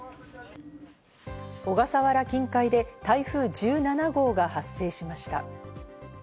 小笠原近海で台風１７号が発生しました。